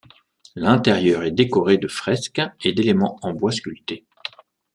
L'intérieur est décoré de fresques et d'éléments en bois sculpté.